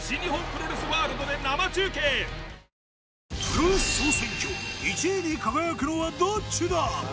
『プロレス総選挙』１位に輝くのはどっちだ？